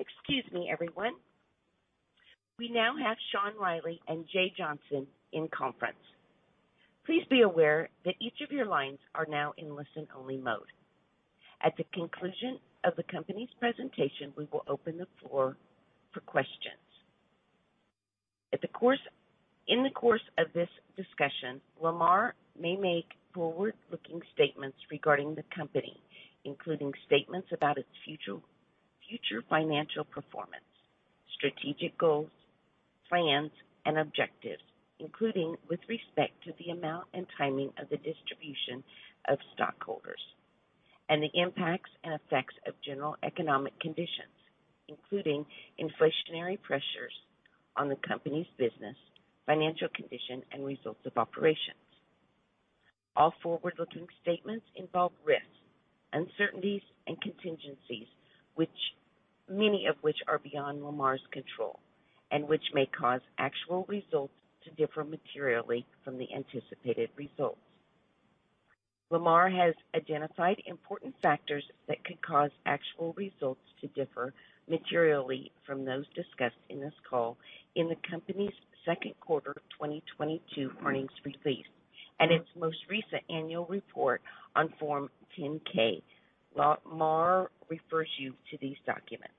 Excuse me, everyone. We now have Sean Reilly and Jay Johnson in conference. Please be aware that each of your lines are now in listen-only mode. At the conclusion of the company's presentation, we will open the floor for questions. In the course of this discussion, Lamar may make forward-looking statements regarding the company, including statements about its future financial performance, strategic goals, plans and objectives, including with respect to the amount and timing of the distribution of stockholders and the impacts and effects of general economic conditions, including inflationary pressures on the company's business, financial condition, and results of operations. All forward-looking statements involve risks, uncertainties, and contingencies, many of which are beyond Lamar's control, and which may cause actual results to differ materially from the anticipated results. Lamar has identified important factors that could cause actual results to differ materially from those discussed in this call in the company's second quarter 2022 earnings release and its most recent annual report on Form 10-K. Lamar refers you to these documents.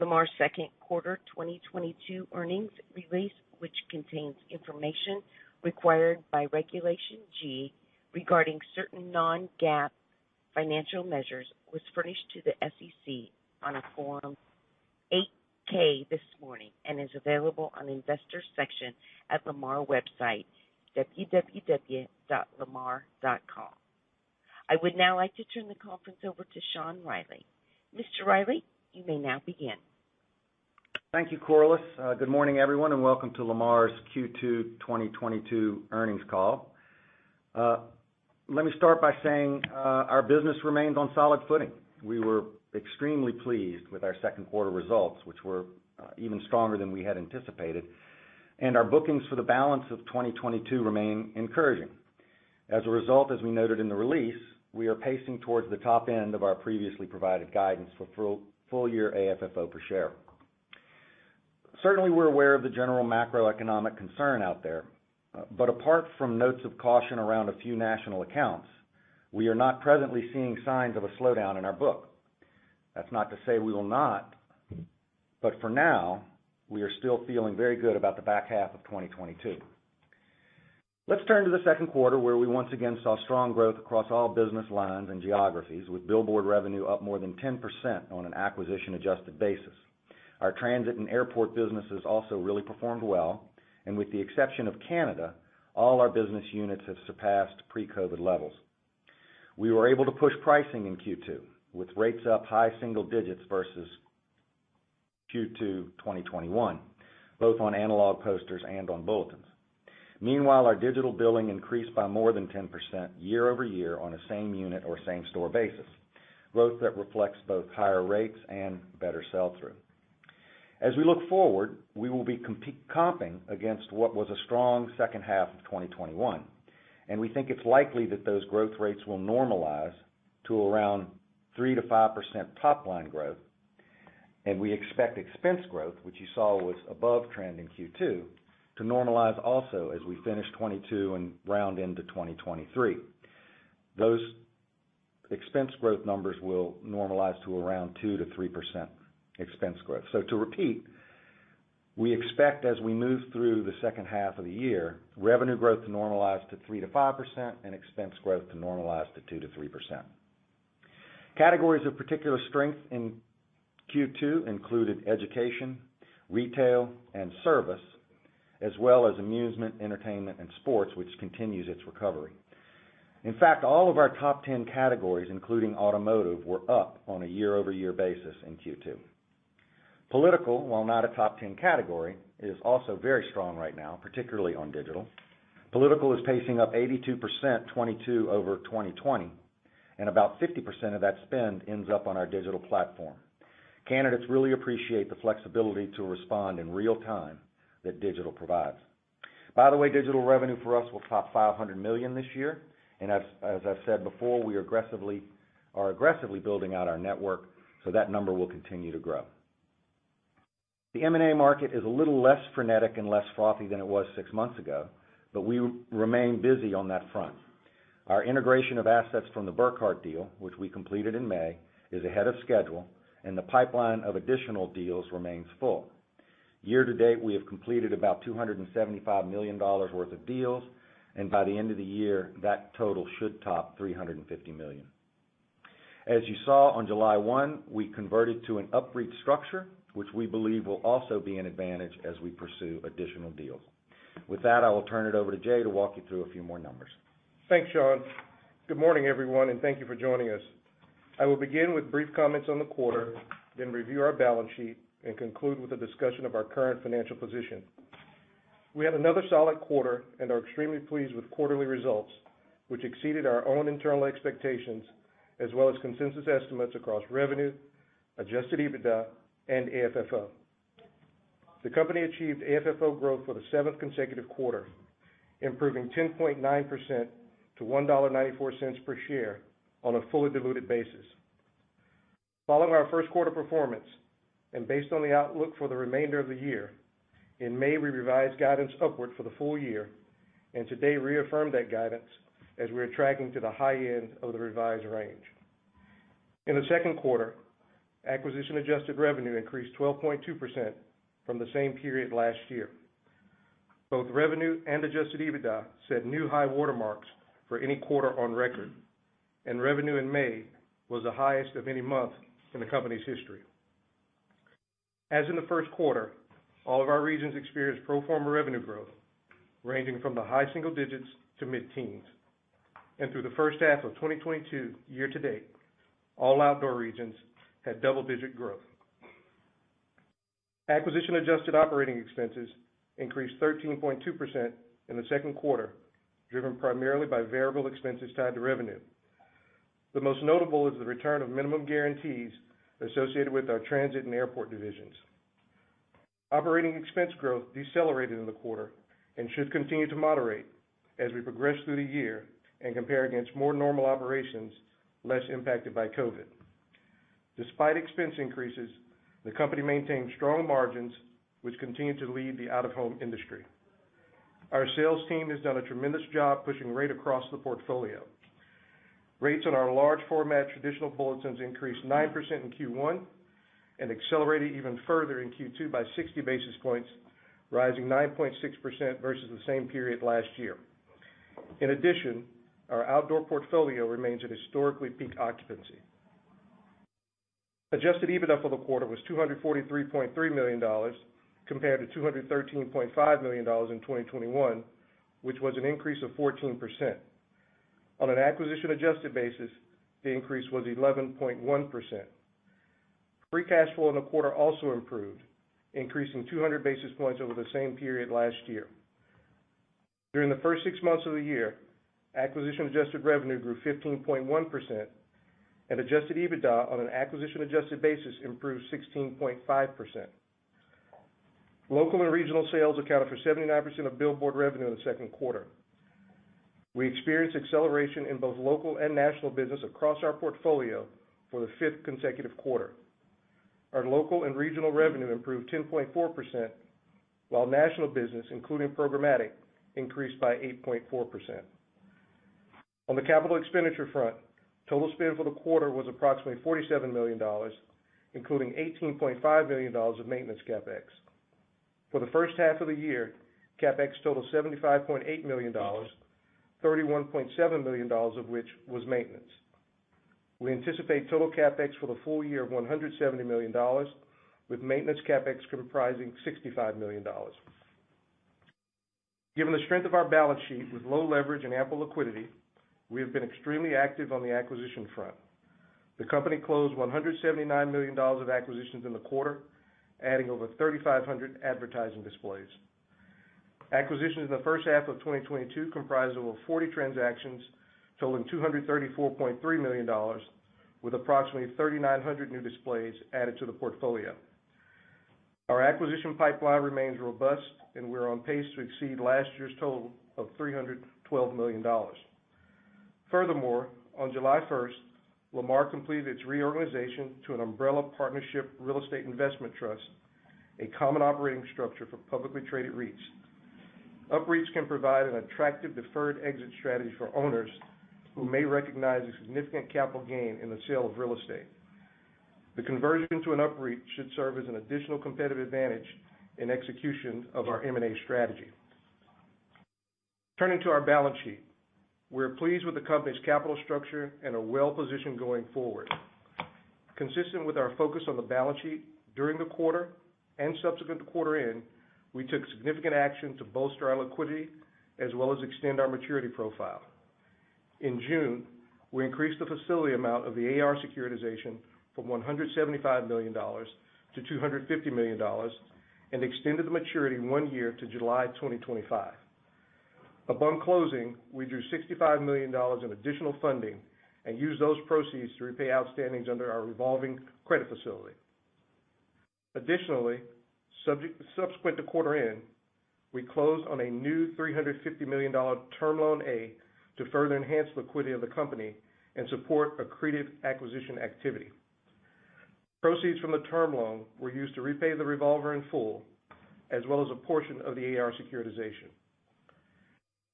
Lamar's second quarter 2022 earnings release, which contains information required by Regulation G regarding certain non-GAAP financial measures, was furnished to the SEC on a Form 8-K this morning and is available on the Investors section at Lamar website, www.lamar.com. I would now like to turn the conference over to Sean Reilly. Mr. Reilly, you may now begin. Thank you, Corliss. Good morning, everyone, and welcome to Lamar's Q2 2022 earnings call. Let me start by saying, our business remains on solid footing. We were extremely pleased with our second quarter results, which were even stronger than we had anticipated, and our bookings for the balance of 2022 remain encouraging. As a result, as we noted in the release, we are pacing towards the top end of our previously provided guidance for full year AFFO per share. Certainly, we're aware of the general macroeconomic concern out there, but apart from notes of caution around a few national accounts, we are not presently seeing signs of a slowdown in our book. That's not to say we will not, but for now, we are still feeling very good about the back half of 2022. Let's turn to the second quarter, where we once again saw strong growth across all business lines and geographies, with billboard revenue up more than 10% on an acquisition-adjusted basis. Our transit and airport businesses also really performed well, and with the exception of Canada, all our business units have surpassed pre-COVID levels. We were able to push pricing in Q2, with rates up high single digits versus Q2 2021, both on analog posters and on bulletins. Meanwhile, our digital billboards increased by more than 10% year-over-year on a same unit or same store basis, growth that reflects both higher rates and better sell-through. As we look forward, we will be comping against what was a strong second half of 2021, and we think it's likely that those growth rates will normalize to around 3%-5% top line growth, and we expect expense growth, which you saw was above trend in Q2, to normalize also as we finish 2022 and round into 2023. Those expense growth numbers will normalize to around 2% to 3% expense growth. To repeat, we expect, as we move through the second half of the year, revenue growth to normalize to 3% to 5% and expense growth to normalize to 2% to 3%. Categories of particular strength in Q2 included education, retail, and service, as well as amusement, entertainment, and sports, which continues its recovery. In fact, all of our top 10 categories, including automotive, were up on a year-over-year basis in Q2. Political, while not a top 10 category, is also very strong right now, particularly on digital. Political is pacing up 82% 2022 over 2020, and about 50% of that spend ends up on our digital platform. Candidates really appreciate the flexibility to respond in real time that digital provides. By the way, digital revenue for us will top $500 million this year, and as I've said before, we are aggressively building out our network, so that number will continue to grow. The M&A market is a little less frenetic and less frothy than it was six months ago, but we remain busy on that front. Our integration of assets from the Burkhart deal, which we completed in May, is ahead of schedule, and the pipeline of additional deals remains full. Year to date, we have completed about $275 million worth of deals, and by the end of the year, that total should top $350 million. As you saw on July one, we converted to an UPREIT structure, which we believe will also be an advantage as we pursue additional deals. With that, I will turn it over to Jay to walk you through a few more numbers. Thanks, Sean. Good morning, everyone, and thank you for joining us. I will begin with brief comments on the quarter, then review our balance sheet and conclude with a discussion of our current financial position. We had another solid quarter and are extremely pleased with quarterly results, which exceeded our own internal expectations as well as consensus estimates across revenue, adjusted EBITDA and AFFO. The company achieved AFFO growth for the seventh consecutive quarter, improving 10.9% to $1.94 per share on a fully diluted basis. Following our first quarter performance and based on the outlook for the remainder of the year, in May, we revised guidance upward for the full year and today reaffirmed that guidance as we are tracking to the high end of the revised range. In the second quarter, acquisition adjusted revenue increased 12.2% from the same period last year. Both revenue and adjusted EBITDA set new high watermarks for any quarter on record, and revenue in May was the highest of any month in the company's history. As in the first quarter, all of our regions experienced pro forma revenue growth, ranging from the high single digits to mid-teens. Through the first half of 2022, year-to-date, all outdoor regions had double-digit growth. Acquisition-adjusted operating expenses increased 13.2% in the second quarter, driven primarily by variable expenses tied to revenue. The most notable is the return of minimum guarantees associated with our transit and airport divisions. Operating expense growth decelerated in the quarter and should continue to moderate as we progress through the year and compare against more normal operations less impacted by COVID. Despite expense increases, the company maintained strong margins, which continue to lead the out-of-home industry. Our sales team has done a tremendous job pushing rate across the portfolio. Rates on our large format traditional bulletins increased 9% in Q1 and accelerated even further in Q2 by 60 basis points, rising 9.6% versus the same period last year. In addition, our outdoor portfolio remains at historically peak occupancy. Adjusted EBITDA for the quarter was $243.3 million compared to $213.5 million in 2021, which was an increase of 14%. On an acquisition-adjusted basis, the increase was 11.1%. Free cash flow in the quarter also improved, increasing 200 basis points over the same period last year. During the first six months of the year, acquisition adjusted revenue grew 15.1%, and adjusted EBITDA on an acquisition adjusted basis improved 16.5%. Local and regional sales accounted for 79% of billboard revenue in the second quarter. We experienced acceleration in both local and national business across our portfolio for the fifth consecutive quarter. Our local and regional revenue improved 10.4%, while national business, including programmatic, increased by 8.4%. On the capital expenditure front, total spend for the quarter was approximately $47 million, including $18.5 million of maintenance CapEx. For the first half of the year, CapEx totaled $75.8 million, $31.7 million of which was maintenance. We anticipate total CapEx for the full year of $170 million, with maintenance CapEx comprising $65 million. Given the strength of our balance sheet with low leverage and ample liquidity, we have been extremely active on the acquisition front. The company closed $179 million of acquisitions in the quarter, adding over 3,500 advertising displays. Acquisitions in the first half of 2022 comprised over 40 transactions totaling $234.3 million, with approximately 3,900 new displays added to the portfolio. Our acquisition pipeline remains robust, and we're on pace to exceed last year's total of $312 million. Furthermore, on July 1, Lamar completed its reorganization to an umbrella partnership real estate investment trust, a common operating structure for publicly traded REITs. UPREITs can provide an attractive deferred exit strategy for owners who may recognize a significant capital gain in the sale of real estate. The conversion to an UPREIT should serve as an additional competitive advantage in execution of our M&A strategy. Turning to our balance sheet. We're pleased with the company's capital structure and are well-positioned going forward. Consistent with our focus on the balance sheet, during the quarter and subsequent to quarter end, we took significant action to bolster our liquidity as well as extend our maturity profile. In June, we increased the facility amount of the AR securitization from $175 million to $250 million and extended the maturity one year to July 2025. Upon closing, we drew $65 million in additional funding and used those proceeds to repay outstandings under our revolving credit facility. Additionally, subsequent to quarter end, we closed on a new $350 million Term Loan A to further enhance liquidity of the company and support accretive acquisition activity. Proceeds from the term loan were used to repay the revolver in full as well as a portion of the AR securitization.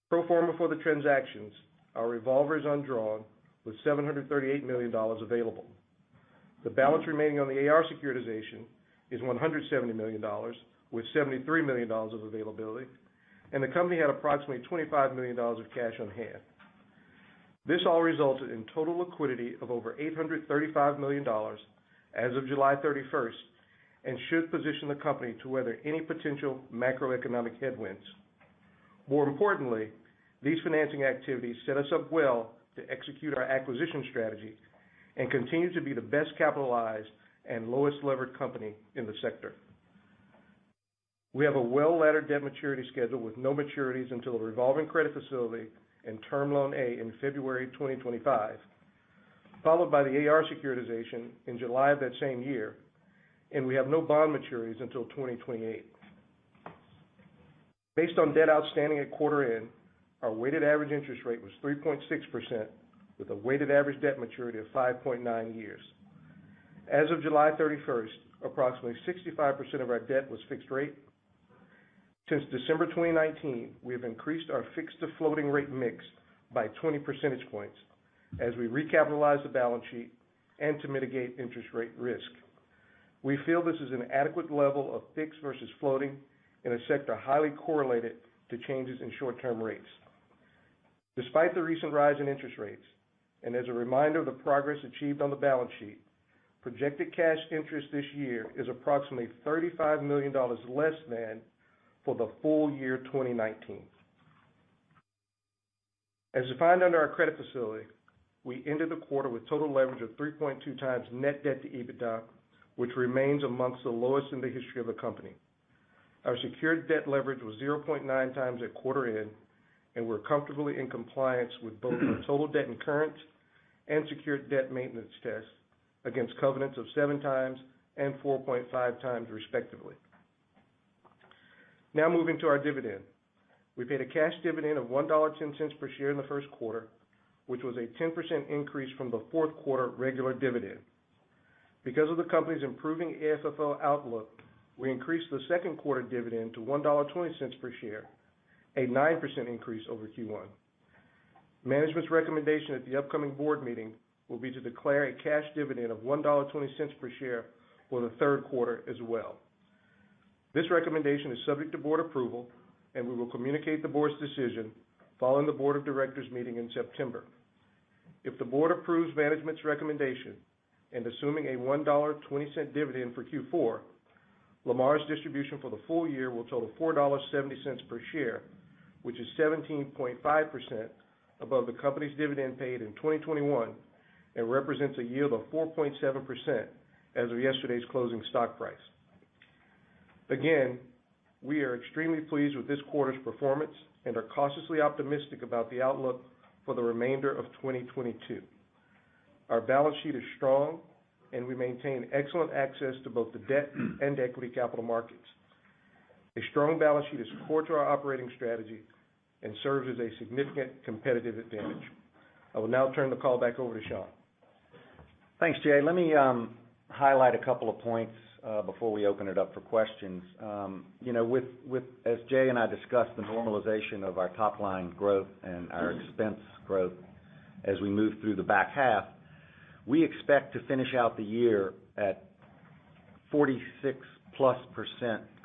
Pro forma for the transactions, our revolver is undrawn with $738 million available. The balance remaining on the AR securitization is $170 million, with $73 million of availability, and the company had approximately $25 million of cash on hand. This all resulted in total liquidity of over $835 million as of July 31 and should position the company to weather any potential macroeconomic headwinds. More importantly, these financing activities set us up well to execute our acquisition strategy and continue to be the best capitalized and lowest levered company in the sector. We have a well-laddered debt maturity schedule with no maturities until the revolving credit facility and Term Loan A in February 2025, followed by the AR securitization in July of that same year, and we have no bond maturities until 2028. Based on debt outstanding at quarter end, our weighted average interest rate was 3.6% with a weighted average debt maturity of 5.9 years. As of July 31, approximately 65% of our debt was fixed rate. Since December 2019, we have increased our fixed to floating rate mix by 20 percentage points as we recapitalize the balance sheet and to mitigate interest rate risk. We feel this is an adequate level of fixed versus floating in a sector highly correlated to changes in short-term rates. Despite the recent rise in interest rates, and as a reminder of the progress achieved on the balance sheet, projected cash interest this year is approximately $35 million less than for the full year 2019. As defined under our credit facility, we ended the quarter with total leverage of 3.2 times net debt to EBITDA, which remains among the lowest in the history of the company. Our secured debt leverage was 0.9 times at quarter end, and we're comfortably in compliance with both our total debt and current and secured debt maintenance tests against covenants of 7 times and 4.5 times, respectively. Now moving to our dividend. We paid a cash dividend of $1.10 per share in the first quarter, which was a 10% increase from the fourth quarter regular dividend. Because of the company's improving AFFO outlook, we increased the second quarter dividend to $1.20 per share, a 9% increase over Q1. Management's recommendation at the upcoming board meeting will be to declare a cash dividend of $1.20 per share for the third quarter as well. This recommendation is subject to board approval, and we will communicate the board's decision following the board of directors meeting in September. If the board approves management's recommendation and assuming a $1.20 dividend for Q4, Lamar's distribution for the full year will total $4.70 per share, which is 17.5% above the company's dividend paid in 2021 and represents a yield of 4.7% as of yesterday's closing stock price. Again, we are extremely pleased with this quarter's performance and are cautiously optimistic about the outlook for the remainder of 2022. Our balance sheet is strong, and we maintain excellent access to both the debt and equity capital markets. A strong balance sheet is core to our operating strategy and serves as a significant competitive advantage. I will now turn the call back over to Sean. Thanks, Jay. Let me highlight a couple of points before we open it up for questions. You know, as Jay and I discussed the normalization of our top line growth and our expense growth as we move through the back half, we expect to finish out the year at 46%+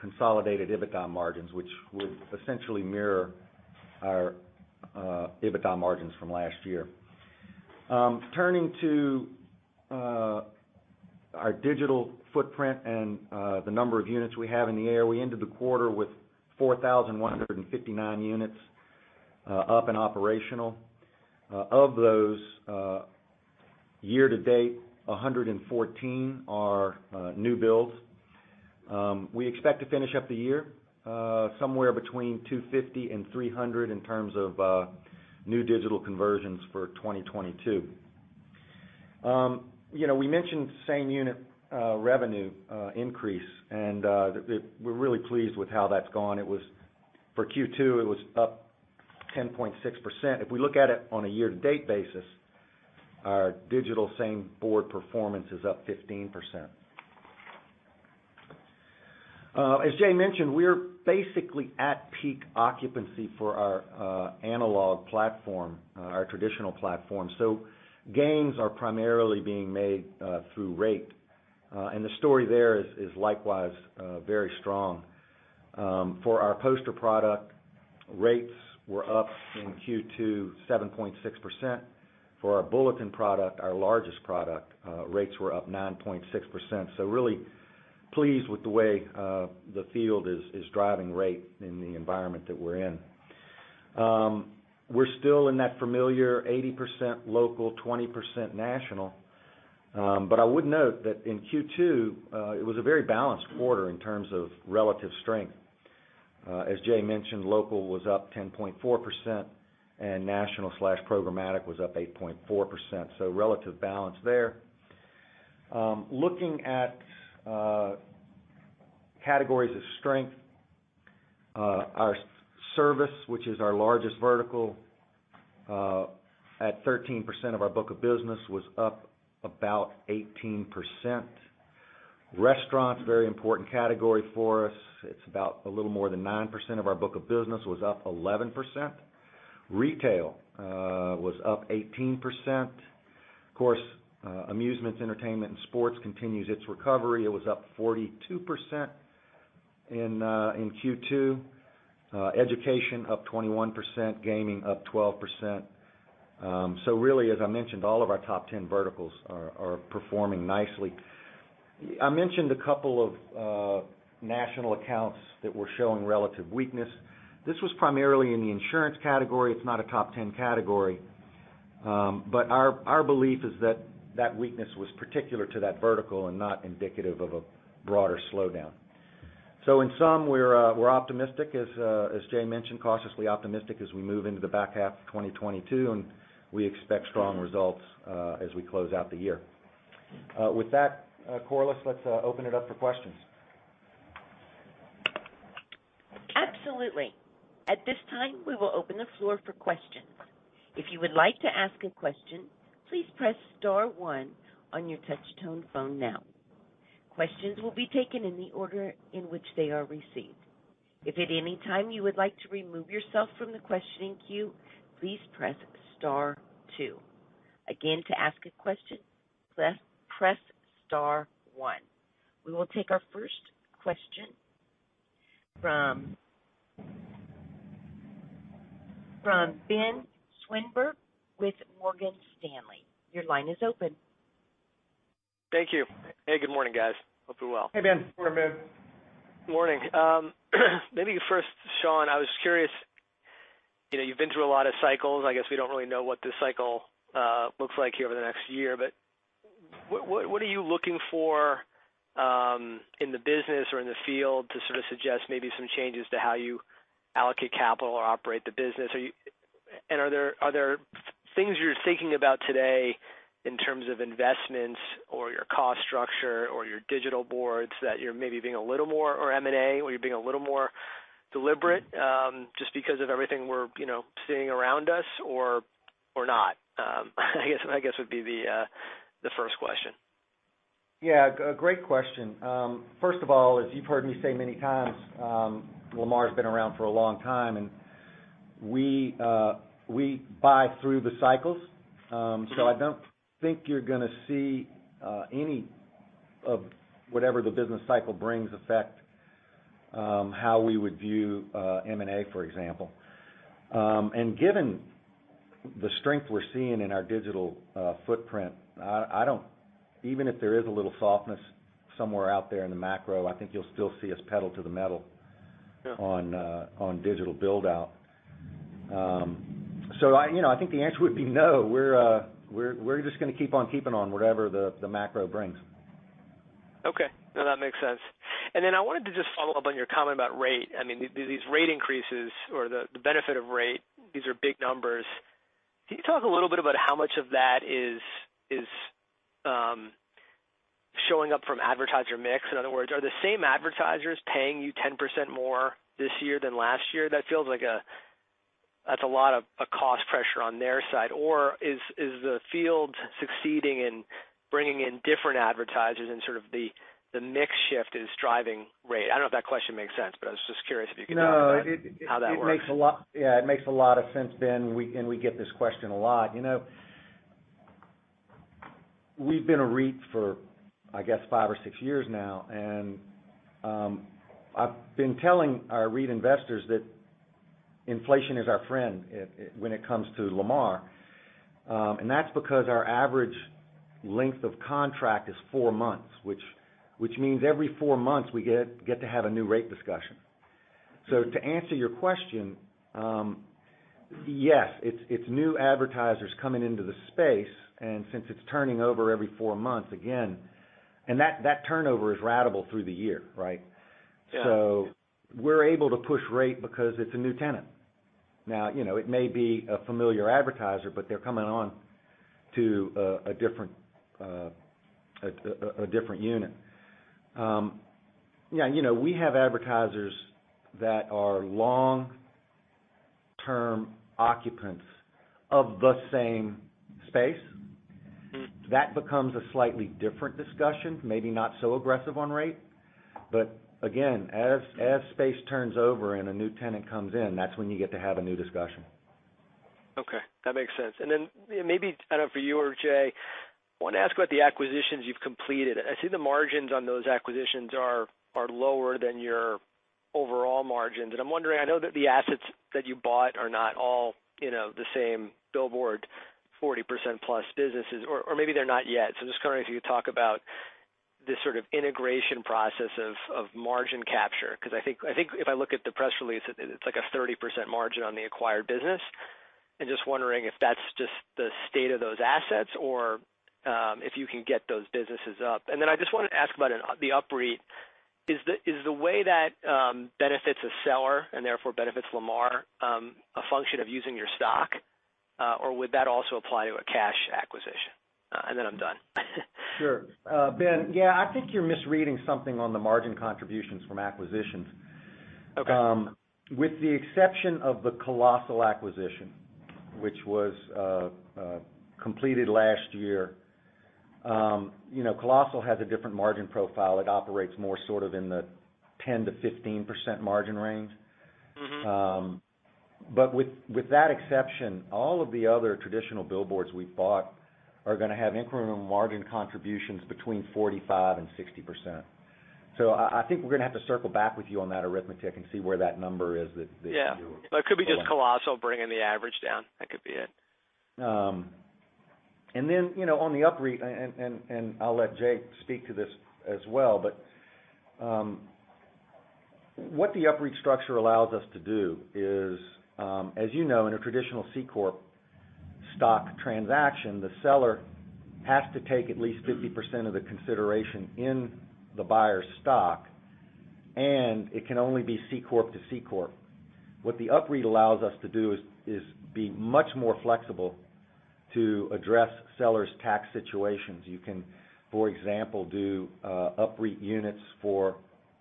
consolidated EBITDA margins, which would essentially mirror our EBITDA margins from last year. Turning to our digital footprint and the number of units we have in the air, we ended the quarter with 4,159 units up and operational. Of those, year to date, 114 are new builds. We expect to finish up the year somewhere between 250 and 300 in terms of new digital conversions for 2022. You know, we mentioned same unit revenue increase, and we're really pleased with how that's gone. For Q2, it was up 10.6%. If we look at it on a year to date basis, our digital same board performance is up 15%. As Jay mentioned, we're basically at peak occupancy for our analog platform, our traditional platform. Gains are primarily being made through rate, and the story there is likewise very strong. For our poster product, rates were up in Q2 7.6%. For our bulletin product, our largest product, rates were up 9.6%. Really pleased with the way the field is driving rate in the environment that we're in. We're still in that familiar 80% local, 20% national. I would note that in Q2, it was a very balanced quarter in terms of relative strength. As Jay mentioned, local was up 10.4% and national slash programmatic was up 8.4%. Relative balance there. Looking at categories of strength, our service, which is our largest vertical, at 13% of our book of business, was up about 18%. Restaurants, very important category for us. It's about a little more than 9% of our book of business, was up 11%. Retail was up 18%. Of course, amusements, entertainment, and sports continues its recovery. It was up 42% in Q2. Education up 21%. Gaming up 12%. Really, as I mentioned, all of our top 10 verticals are performing nicely. I mentioned a couple of national accounts that were showing relative weakness. This was primarily in the insurance category. It's not a top 10 category. But our belief is that that weakness was particular to that vertical and not indicative of a broader slowdown. In sum, we're optimistic, as Jay mentioned, cautiously optimistic as we move into the back half of 2022, and we expect strong results as we close out the year. With that, Corliss, let's open it up for questions. Absolutely. At this time, we will open the floor for questions. If you would like to ask a question, please press star 1 on your touch-tone phone now. Questions will be taken in the order in which they are received. If at any time you would like to remove yourself from the questioning queue, please press star 2. Again, to ask a question, press star one. We will take our first question from Ben Swinburne with Morgan Stanley. Your line is open. Thank you. Hey, good morning, guys. Hope you're well. Hey, Ben. Good morning, Ben. Morning. Maybe first, Sean, I was curious, you know, you've been through a lot of cycles. I guess we don't really know what this cycle looks like here over the next year. What are you looking for in the business or in the field to sort of suggest maybe some changes to how you allocate capital or operate the business? Are there things you're thinking about today in terms of investments or your cost structure or your digital boards that you're maybe being a little more, or M&A, or you're being a little more deliberate just because of everything we're, you know, seeing around us or not? I guess would be the first question. Yeah, a great question. First of all, as you've heard me say many times, Lamar's been around for a long time, and we buy through the cycles. I don't think you're gonna see any of whatever the business cycle brings affect how we would view M&A, for example. Given the strength we're seeing in our digital footprint, even if there is a little softness somewhere out there in the macro, I think you'll still see us pedal to the metal. Yeah on digital build-out. I, you know, I think the answer would be no. We're just gonna keep on keeping on whatever the macro brings. Okay. No, that makes sense. Then I wanted to just follow up on your comment about rate. I mean, these rate increases or the benefit of rate, these are big numbers. Can you talk a little bit about how much of that is showing up from advertiser mix? In other words, are the same advertisers paying you 10% more this year than last year? That feels like that's a lot of cost pressure on their side. Or is the field succeeding in bringing in different advertisers and sort of the mix shift is driving rate? I don't know if that question makes sense, but I was just curious if you could talk about. No. How that works. Yeah, it makes a lot of sense, Ben. We get this question a lot. You know, we've been a REIT for, I guess, five or six years now, and I've been telling our REIT investors that inflation is our friend. It when it comes to Lamar. That's because our average length of contract is four months, which means every four months we get to have a new rate discussion. To answer your question, yes, it's new advertisers coming into the space, and since it's turning over every four months, again, and that turnover is ratable through the year, right? Yeah. We're able to push rate because it's a new tenant. Now, you know, it may be a familiar advertiser, but they're coming on to a different unit. Yeah, you know, we have advertisers that are long-term occupants of the same space. Mm-hmm. That becomes a slightly different discussion, maybe not so aggressive on rate. Again, as space turns over and a new tenant comes in, that's when you get to have a new discussion. Okay. That makes sense. Then maybe, I don't know, for you or Jay, wanna ask about the acquisitions you've completed. I see the margins on those acquisitions are lower than your overall margins. I'm wondering, I know that the assets that you bought are not all, you know, the same billboard, 40% plus businesses, or maybe they're not yet. I'm just curious if you could talk about the sort of integration process of margin capture, because I think if I look at the press release, it's like a 30% margin on the acquired business. Just wondering if that's just the state of those assets or if you can get those businesses up. Then I just wanna ask about the UPREIT. Is the way that benefits a seller and therefore benefits Lamar a function of using your stock or would that also apply to a cash acquisition? Then I'm done. Sure. Ben, yeah, I think you're misreading something on the margin contributions from acquisitions. Okay. With the exception of the Colossal acquisition, which was completed last year, you know, Colossal has a different margin profile. It operates more sort of in the 10%-15% margin range. Mm-hmm. With that exception, all of the other traditional billboards we've bought are gonna have incremental margin contributions between 45% and 60%. I think we're gonna have to circle back with you on that arithmetic and see where that number is that you're- Yeah. It could be just Colossal bringing the average down. That could be it. you know, on the UPREIT, I'll let Jay speak to this as well, but what the UPREIT structure allows us to do is, as you know, in a traditional C corp stock transaction, the seller has to take at least 50% of the consideration in the buyer's stock, and it can only be C corp to C corp. What the UPREIT allows us to do is to be much more flexible to address sellers' tax situations. You can, for example, do UPREIT units for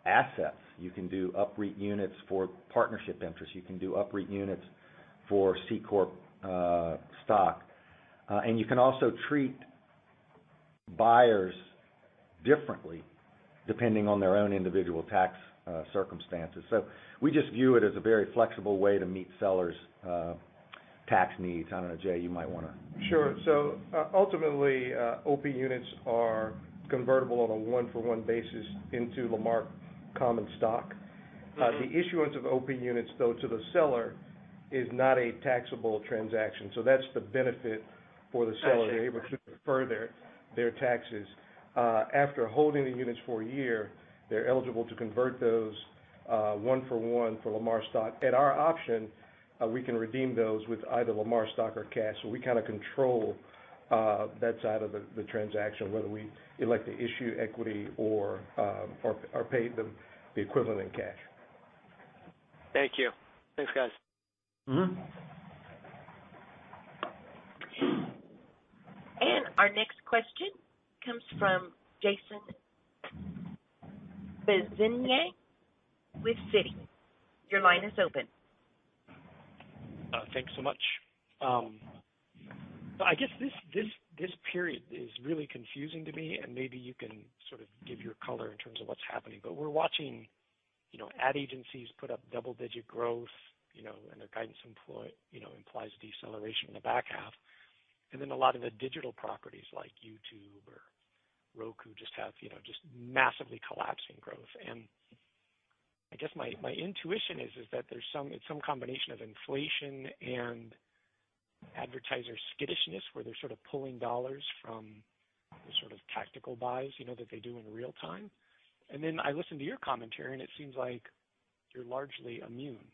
assets. You can do UPREIT units for partnership interest. You can do UPREIT units for C corp stock. And you can also treat buyers differently depending on their own individual tax circumstances. We just view it as a very flexible way to meet sellers' tax needs. I don't know, Jay, you might wanna. Sure. Ultimately, OP Units are convertible on a one-for-one basis into Lamar common stock. The issuance of OP Units though to the seller is not a taxable transaction, so that's the benefit for the seller to be able to defer their taxes. After holding the units for a year, they're eligible to convert those one for one for Lamar stock. At our option, we can redeem those with either Lamar stock or cash. We kinda control that side of the transaction, whether we elect to issue equity or pay them the equivalent in cash. Thank you. Thanks, guys. Mm-hmm. Our next question comes from Jason Bazinet with Citi. Your line is open. Thanks so much. I guess this period is really confusing to me, and maybe you can sort of give your color in terms of what's happening. We're watching, you know, ad agencies put up double-digit growth, you know, and their guidance, you know, implies deceleration in the back half. A lot of the digital properties like YouTube or Roku just have, you know, just massively collapsing growth. I guess my intuition is that it's some combination of inflation and advertiser skittishness, where they're sort of pulling dollars from the sort of tactical buys, you know, that they do in real time. I listen to your commentary, and it seems like you're largely immune.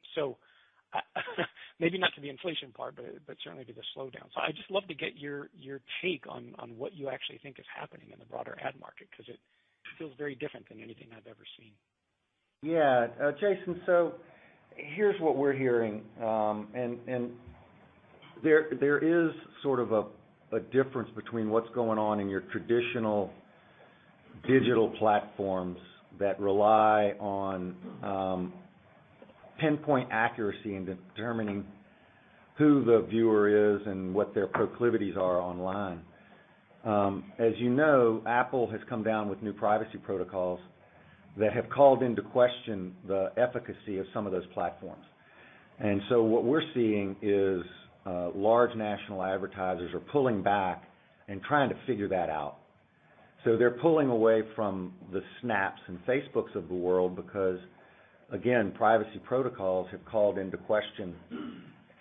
Maybe not to the inflation part, but certainly to the slowdown. I'd just love to get your take on what you actually think is happening in the broader ad market, 'cause it feels very different than anything I've ever seen. Yeah. Jason, so here's what we're hearing. There is sort of a difference between what's going on in your traditional digital platforms that rely on pinpoint accuracy in determining who the viewer is and what their proclivities are online. As you know, Apple has come down with new privacy protocols that have called into question the efficacy of some of those platforms. What we're seeing is large national advertisers are pulling back and trying to figure that out. They're pulling away from the Snaps and Facebooks of the world because again, privacy protocols have called into question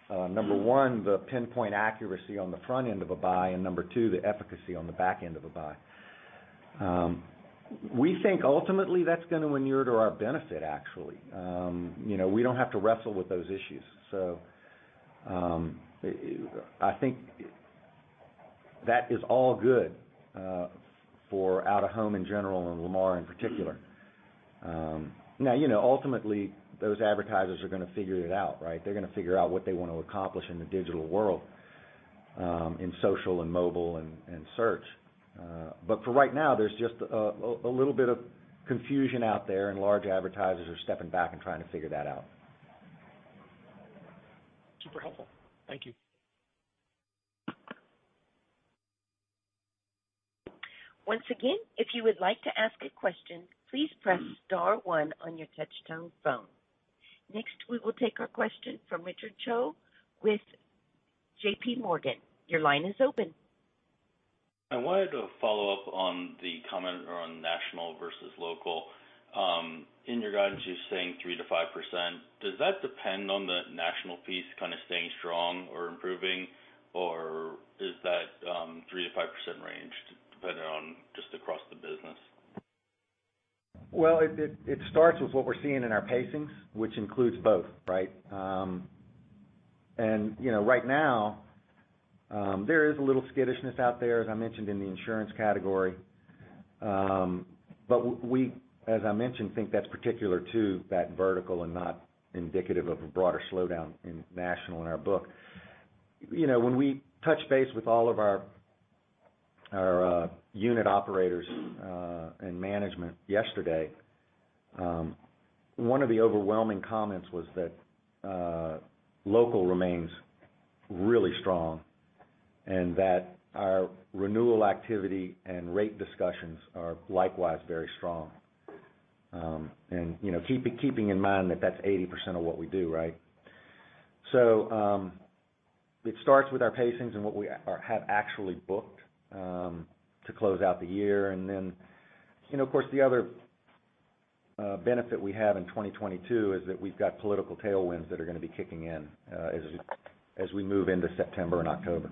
number one, the pinpoint accuracy on the front end of a buy, and number two, the efficacy on the back end of a buy. We think ultimately that's gonna inure to our benefit, actually. You know, we don't have to wrestle with those issues. I think that is all good for out-of-home in general and Lamar in particular. Now, you know, ultimately, those advertisers are gonna figure it out, right? They're gonna figure out what they wanna accomplish in the digital world, in social and mobile and search. For right now, there's just a little bit of confusion out there, and large advertisers are stepping back and trying to figure that out. Super helpful. Thank you. Once again, if you would like to ask a question, please press star one on your touchtone phone. Next, we will take our question from Richard Choe with J.P. Morgan. Your line is open. I wanted to follow up on the comment around national versus local. In your guidance, you're saying 3% to 5%. Does that depend on the national piece kinda staying strong or improving, or is that 3% to 5% range dependent on just across the business? Well, it starts with what we're seeing in our pacings, which includes both, right? You know, right now, there is a little skittishness out there, as I mentioned, in the insurance category. We, as I mentioned, think that's particular to that vertical and not indicative of a broader slowdown in national in our book. You know, when we touched base with all of our unit operators and management yesterday, one of the overwhelming comments was that local remains really strong and that our renewal activity and rate discussions are likewise very strong. You know, keeping in mind that that's 80% of what we do, right? It starts with our pacings and what we have actually booked to close out the year. You know, of course, the other benefit we have in 2022 is that we've got political tailwinds that are gonna be kicking in, as we move into September and October.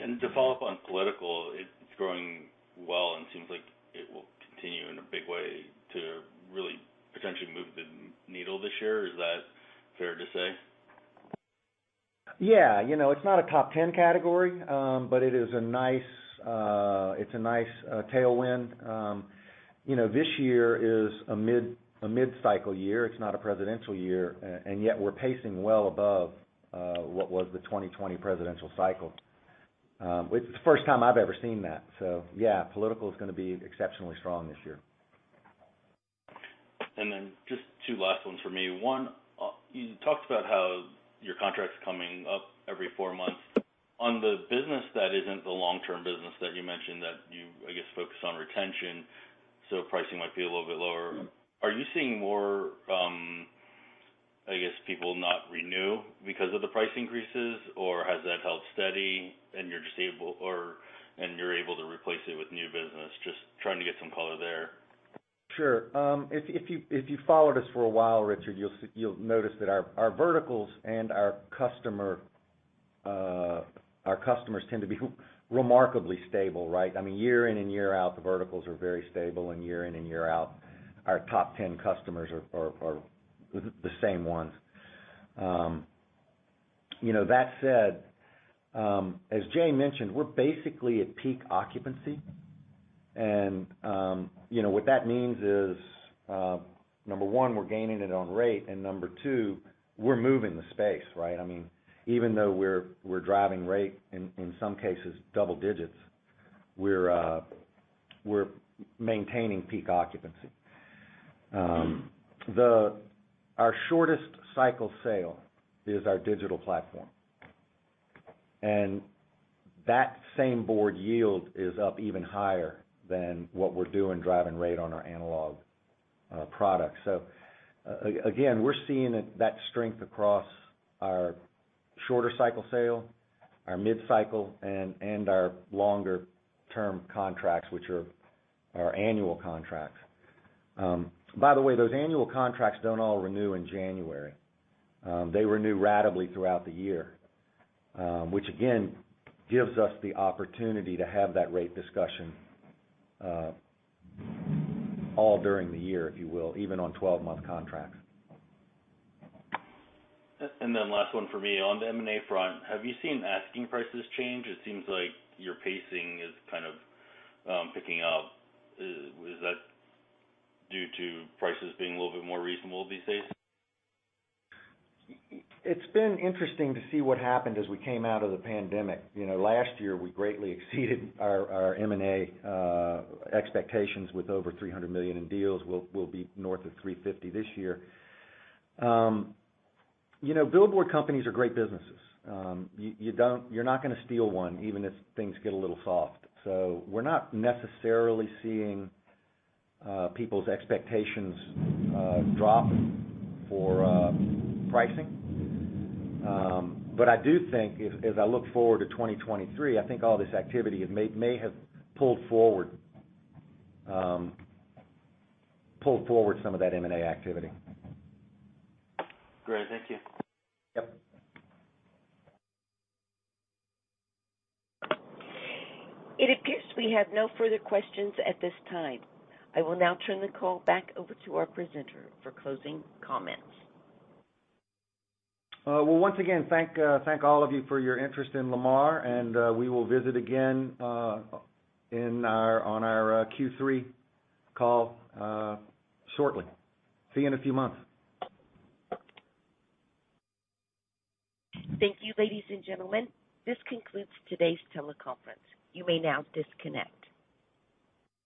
To follow up on political, it's growing well, and it seems like it will continue in a big way to really potentially move the needle this year. Is that fair to say? Yeah. You know, it's not a top ten category, but it is a nice tailwind. You know, this year is a mid-cycle year. It's not a presidential year. And yet we're pacing well above what was the 2020 presidential cycle. It's the first time I've ever seen that. Yeah, political is gonna be exceptionally strong this year. Just two last ones for me. One, you talked about how your contract's coming up every four months. On the business that isn't the long-term business that you mentioned that you, I guess, focus on retention, so pricing might be a little bit lower. Mm-hmm. Are you seeing more, I guess, people not renew because of the price increases, or has that held steady and you're just able to replace it with new business? Just trying to get some color there. Sure. If you followed us for a while, Richard, you'll notice that our verticals and our customers tend to be remarkably stable, right? I mean, year in and year out, the verticals are very stable, and year in and year out, our top 10 customers are the same ones. You know, that said, as Jay mentioned, we're basically at peak occupancy. You know, what that means is, number one, we're gaining it on rate, and number two, we're moving the space, right? I mean, even though we're driving rate, in some cases double digits, we're maintaining peak occupancy. Our shortest cycle sale is our digital platform. That same board yield is up even higher than what we're doing driving rate on our analog product. Again, we're seeing it, that strength across our shorter cycle sales, our mid-cycle and our longer-term contracts, which are our annual contracts. By the way, those annual contracts don't all renew in January. They renew ratably throughout the year, which again gives us the opportunity to have that rate discussion, all during the year, if you will, even on 12-month contracts. Last one for me. On the M&A front, have you seen asking prices change? It seems like your pacing is kind of picking up. Is that due to prices being a little bit more reasonable these days? It's been interesting to see what happened as we came out of the pandemic. You know, last year, we greatly exceeded our M&A expectations with over $300 million in deals. We'll be north of $350 this year. You know, billboard companies are great businesses. You're not gonna steal one even if things get a little soft. We're not necessarily seeing people's expectations drop for pricing. But I do think as I look forward to 2023, I think all this activity may have pulled forward some of that M&A activity. Great. Thank you. Yep. It appears we have no further questions at this time. I will now turn the call back over to our presenter for closing comments. Well, once again, thank all of you for your interest in Lamar, and we will visit again on our Q3 call shortly. See you in a few months. Thank you, ladies and gentlemen. This concludes today's teleconference. You may now disconnect.